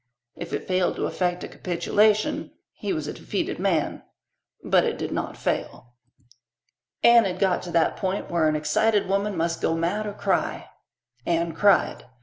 If it failed to effect a capitulation, he was a defeated man. But it did not fail. Anne had got to that point where an excited woman must go mad or cry. Anne cried.